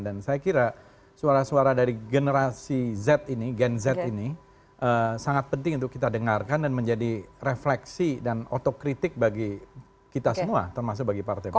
dan saya kira suara suara dari generasi z ini gen z ini sangat penting untuk kita dengarkan dan menjadi refleksi dan otokritik bagi kita semua termasuk bagi partai partai